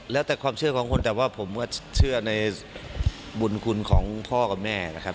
แล้วแต่ความเชื่อของคนแต่ว่าผมก็เชื่อในบุญคุณของพ่อกับแม่นะครับ